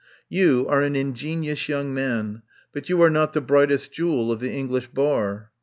You are an in genious young man, but you are not the bright est jewel of the English Bar."